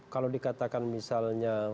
kalau dikatakan misalnya